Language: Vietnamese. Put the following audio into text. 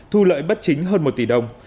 thu lợi bất chính hơn một tỷ đồng